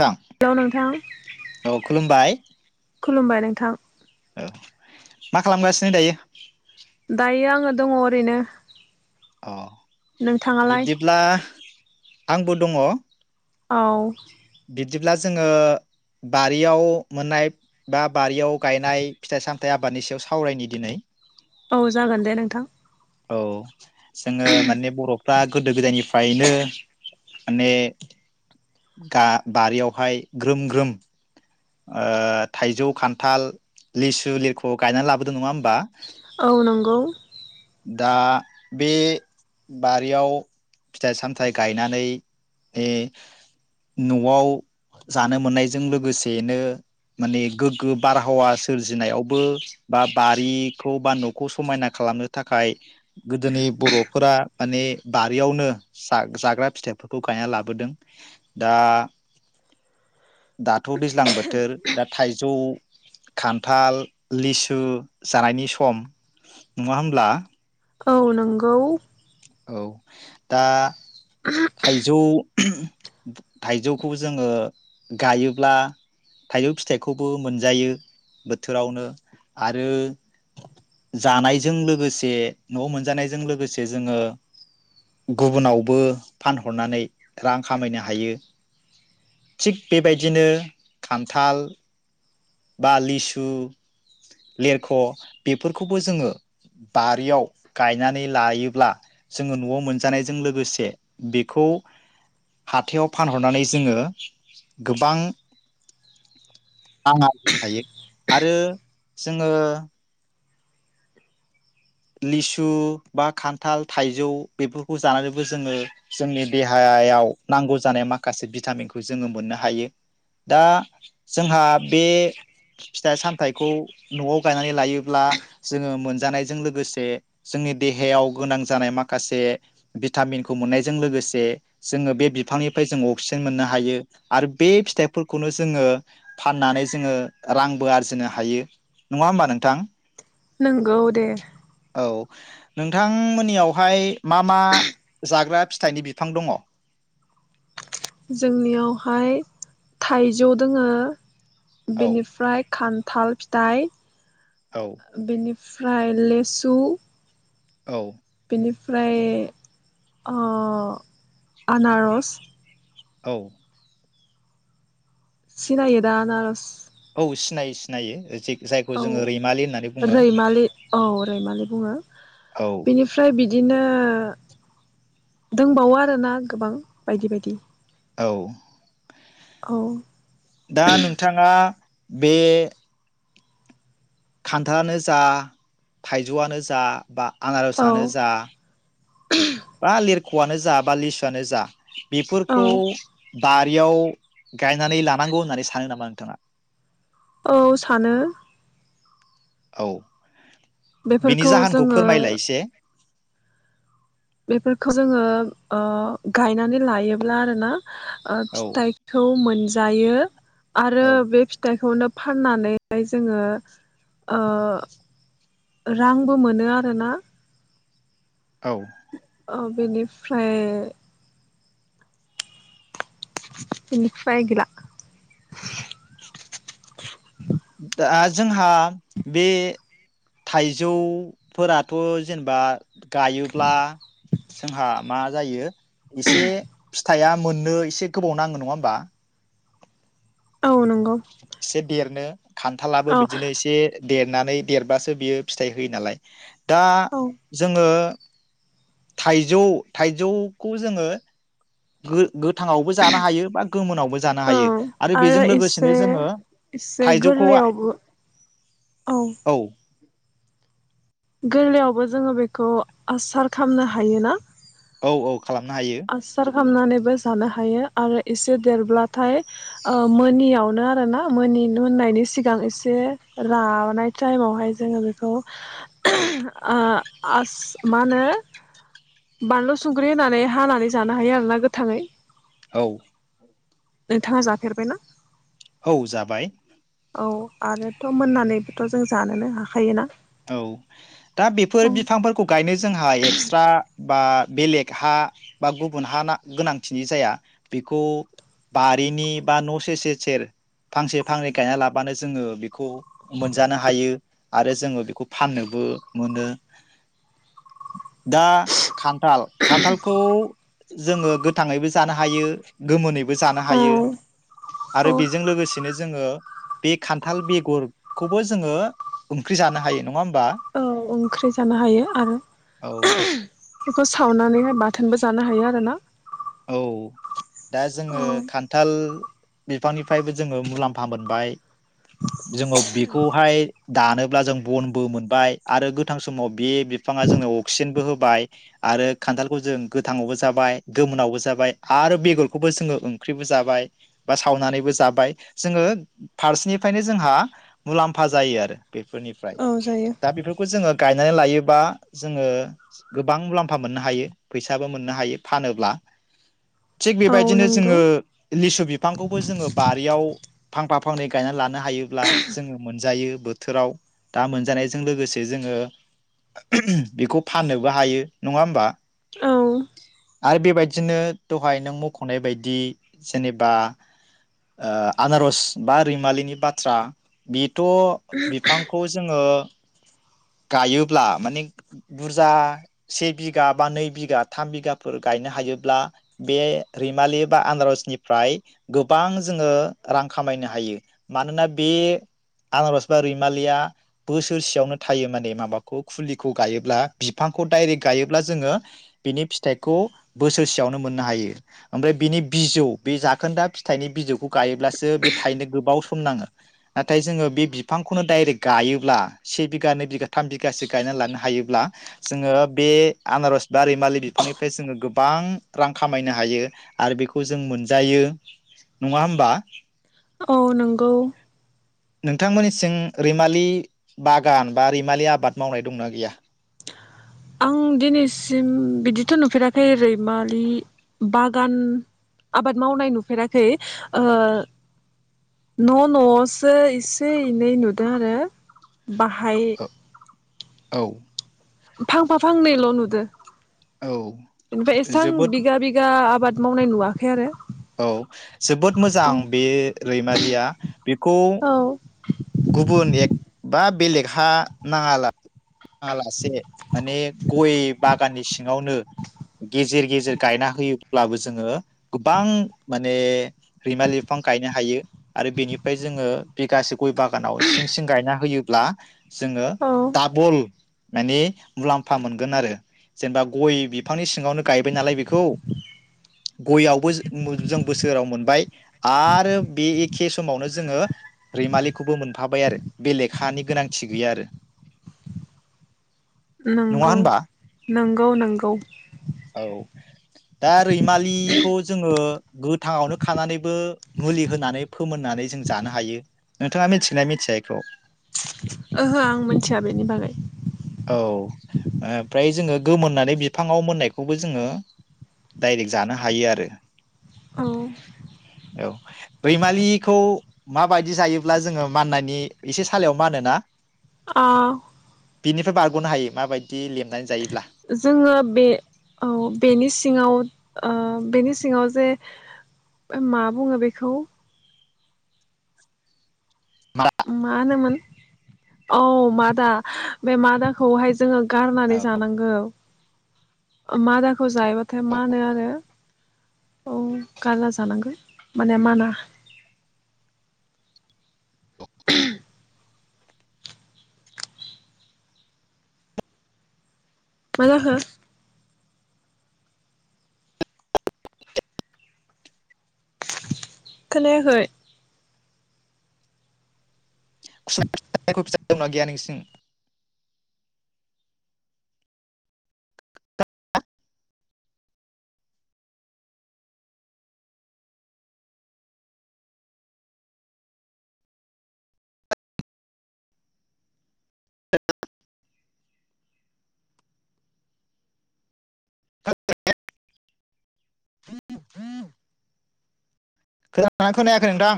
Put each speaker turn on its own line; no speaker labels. थां
हेलौ नोंथां
औ खुलुमबाय
खुलुमबाय नोंथां
औ मा खालामगासिनो दायो?
दायो आङो दङ' ओरैनो
अ
नोंथाङालाय
बिब्दिब्ला आंबो दङ'
औ
बिदिब्ला जोङो बारियाव मोननाय बा बारियाव गायनाय फिथाइ सामथाइ आबादनि सायाव सावरायनि दिनै
औ जागोन दे नोंथां
औ जोङो माने बर'फ्रा गोदो गोदायनिफ फायनो माने गा बारियावहाय ग्रोम ग्रोम ओ थाइजौ खान्थाल लिसु लिरखौ गायनानै लाबोदों नङा होमबा?
औ नंगौ
दा बे बारियाव फिथाइ सामथायाइ गायनानै नै न'आव जानो मोननायजों लोगोसे बेनो माने गोग्गो बारहावा सोरजिनायावबो बा बारिखौ बा न'खौ समायना खालामनो थाखाय गोदोनि बर'फोरा माने बारियावनो जा जाग्रा फिथाइफोरखौ गायना लाबोदों दा दा थ' दैज्लां बोथोर दा थाइजौ, खान्थाल, लिसु जानायनि सम नङा होमब्ला?
औ नोंगौ।
औ दा थाइजौ थाइजौखौ जोङो गायोब्ला थाइजौ फिथाइखौबो मोनजायो बोथोरावनो आरो जानायजों लोगोसे न'आव मोनजानायजों लोगोसे जोङो गुबुनावबो फानहरनानै रां खामायनो हायो थिग बेबायदिनो खान्थाल बा लिसु लेरख' बेफोरखौबो जोङो बारियाव गायनानै लायोब्ला जोङो न'आव मोनजानायजों लोगोसे बेखौ हाथायाव फानहरनानै जोङो गोबां [unintelligible] थायो आरो जोङो लिसु बा खान्थाल थाइजौ बेफोरखौ जानानैबो जोङो जोंनि देहायायाव नांगौ जानाय माखासे भिटामिनखौ जोङो मोननो हायो दा जोंहा बे फिथाइ सामथाइखौ न'आव गायनानै लायोब्ला जोङो मोनजानायजों लो गोसे जोंनि देहायाव गोनां जानाय माखासे भिटामिनखौ मोननायजों लोगोसे जोङो बे बिफांनिफ्राय जोङ अक्सिजेन मोननो हायो आरो बे फिथाइफोरखौनो जोङो फाननानै जोङो रांबो आरजिनो हायो नङा होमबा नोंथां?
नंगौ दे।
औ नोंथांमोननियावहाय मा मा जाग्रा फिथाइनि बिफां दङ?
जोंनियावहाय थाइजौ दोङो
औ
बेनिफ्राय खान थाल फिथाइ बेनि फ्राय लेसु
औ।
बेनिफ्राय ओ आनार'स
औ।
सिनायो दा आनारस
औ सिनायो सिनायो जि
औ रैमालि औ रैमालि बुङो
औ
बिनिफ्राय बिद दिनो दंबावो आरोना गोबां बायदि बायदि।
औ।
औ।
दा नोंथाङा बे खान्थालानो जा थाइजौआनो जा बा
औ
आंनारसानो जा बा लिरख'आनो जा बा लिसुआनो जा
औ
बेफोरखौ बारियाव गायनानै लानांगौ होननानै सानो नामा नोंथाङा
औ सानो
औ बिनि
बेफोरखौ
जाहोनखौ
जोङो
फोरमायलाय एसे
बेफोरखौ जोङो ओ गायनानै लायोब्ला आरो ना
औ
फिथाइखौ मोन जायो आरो
औ
बे फिथाइखौनो फाननानै [inaudible] जोङो ओ रांबो मोनो आरोना
औ
ओ बेनिफ्राय इनिफ्राय गैला [inaudible]
दा जोंहा बे थाइजौफोराथ' जेनेबा गायोब्ला जोंहा मा जायो इसे फिथाइया मोननो इसे गोबाव नांगो नङा होमबा
औ नंगौ
स [unintelligible] देरनो खान्थालाबो
औ
बिदिनो एसे देरनानै देरबासो बियो फिथाइ होयो नालाय दा
औ
जोङो थाइजौ थाइजौखौ जोङो गो गोथाङावबो जानो हायो बा गोमोनावबो जानो हायो आरो बेजों लोगोसेनो जोङो
एसे
थाइजौखौ
गोरलैयावबो औ
औ
गोरलैयावबो जोङो बेखौ आसार खामनो हायोना
औ औ खालामनो हायो
खामनानैबो जानो हायो आरो एसे देरब्लाथाय ओ मोनोनियावनो आरोना मोनि मोननायनि सिगां एसे रानाय टाइमावहाय जोङो बेखौ [unintelligible] ओ आस मा होनो बानलु संख्रि होनानै हानानै जानो हायो आरोना गोथाङै
औ
नोंथाङा जाफेरबायना
औ जाबाय।
औ आरोथ' मोननानैबोथ' जों जानोनो हाखायोना?
औ दा
औ
बेफोर बिफांफोरखौ गायनो जोंहा एक्सट्रा बा बेलेग हा बा गुबुन हा ना गोनांथिनि जाया बेखौ बारिनि बा न' सेर सेर सेर फांसे फांनै गायना लाबानो जोङो बेखौ मोनजानो हायो आरो जोङो बे खौ फाननोबो मोनो दा खान्थाल खान्थालखौ जोङो गोथाङैबो जानो हायो गोमोनैबो जानो हायो
औ
आरो बेजों लोगोसेनो जोङो बे खान्थाल बेगरखौबो जोङो ओंख्रि जानो हायो। नङा होमबा?
औ ओंख्रि जानो हायो आरो
औ
[unintelligible] बेखौ सावनानैहाय बाथोनबो जानो हायो आरो ना।
औ। दा जोङो खान्थाल बिफांनिफ्रायबो जोङो मुलाम्फा मोनबाय जोङो बेखौहाय दानोब्ला जों बनबो मोनबाय आरो गोथां समाव बे बिफाङा जोंनो अक्सिजेनबो होबाय आरो खान्थालखौ जों गोथाङावबो जाबाय। गोमोनायावबो जाबाय आरो बेगरखौबो जोङो ओंख्रिबो जाबाय बा सावनानैबो जाबाय जोङो फारसेनिफ्रायनो जोंहा मुलाम्फा जायो आरो बे फोरनिफ्राय
औ जायो
दा बेफोरखौ जोङो गायनानै लायोबा जोङो गोबां मुलाम्फा मोननो हायो फैसाबो मोननो हायो फानो [unintelligible] थिग
औ
बेबायदिनो
नंगौ
जोंङो लिसु बिफांखौबो जोंङो बारियाव फां फा फांनै गायनानै लानो नो हायोब्ला जोंङो मोनजायो। बोथोराव दा मोनजानायजों लोगोसे जोंङो बेखौ फाननोबो हायो नङा होमबा?
औ।
आरो बेबायदिनो दहाय नों मख'नाय बायदि जेनेबा ओ आनारस बा रैमालिनि बाथ्रा बि थ' बिफांखौ जोंङो गायोब्ला माने बुरजा से बिगा बा नै बिगा थाम बिगाफोर गायनो हायोब्ला बे रैमालि बा आनारसनिफ्राय गोबां जोङो रां खामायनो हायो। मानोना बे आनारस बा रैमालिया बोसोरसेयावनो थायो माने माबाखौ खुलिखौ गायोब्ला बिफांखौ डाइरेक्ट गायोब्ला जोङो बिनि फिथाइखौ बोसोरसेयावनो मोननो हायो ओमफ्राय बिनि बिजौ बे जाखोन्दा फिथाइनि बिजौखौ गायोब्लासो बे थायनो गोबाव सम नाङो नाथाय जोङो बे बिफांखौनो डाइरेक्ट गायोब्ला से बिगा नै बिगा थाम बिगासो गायना लानो हायोब्ला जोङो बे आनारस बा रै मालि बिफांनिफ्राय जोङो गोबां रां खामायनो हायो आरो बेखौ जों मोनजायो नङा होमबा?
औ नोंगौ।
नोंथांमोननिसिं रैमालि बागान बा रैमालि आबाद मावनाय दंना गैया?
आं दिनैसिम बिदिथ' नुफेराखै ओरै रैमालि बागान आबाद मावनाय नुफेराखै। ओ
[unintelligible]
न' न'आवसो एसे एनै नुदों आरो। बाहाय
औ औ।
फांफा फांनैल' नुदो। बेनिफ्राय एसां
जोबोद
बिगा बिगा आबाद मावनाय नुवाखै आरो।
औ जोबोद मोजां
औ
बे रैमालिया बेखौ
औ
गुबुन एक बा बेलेग हा नाङाला मालासे माने गय बाग गाननि सिङावनो गेजेर गेजेर गायना होयोब्लाबो जोंङो गोबां माने रैमा बिफां गायनो हायो आरो बेनिफ्राय जोंङो बिासे गय बागानाव सिं सिं गायना होयोब्ला जोंङो
औ
दाबल माने मुलाम्फा मोनगोन आरो जेनेबा गय बिफांनि सिंङावनो गायबाय नालाय बेखौ गययावबो जों बोसोराव मोनबाय आरो बे एखे समावनो जोंङो रैमालि खौबो मोनफाबाय आरो बेलेखानि गोनांथि गैया आरो नङा
नंगौ
होनबा
नंगौ नंगौ
औ दा रैमालिखौ जोंङो गोथाङावनो खानानैबो मुलि होनानै फोमोननानै जों जानो हायो नोंथाङा मिथिगोना मिथिया इखौ
ओहो आं मिथिया बेनि बागै
औ ओमफ्राय जोंङो गोमोननानै बिफाङाव मोननायखौबो जोंङो डाइरेक्ट जानो हायो आरो
औ
औ रैमालिखौ माबायदि जायोब्ला जोंङो माननायनि एसे सालायाव मानोना
औ
बिनिफ्राय बारग'नो हायो माबायदि लेबनानै जायो
जोंङो बे औ बेनि सिङाव ओ बेनि सिङाव जे मा बुंङो बेखौ मा होनोमोन औ मादा बे मादाखौहाय जोंङो गारनानै
औ
जानांगौ मादाखौ जायोबाथाय
औ
मानो आरो औ गारना जानांगौ माने माना मा जाखो खोनायाखै
[unintelligible] [unintelligible] खोनादोंना खोनायाखै नोंथां